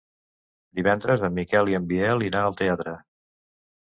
Divendres en Miquel i en Biel iran al teatre.